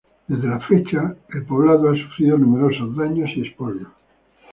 Desde la fecha, el poblado ha sufrido numerosos daños y expolios.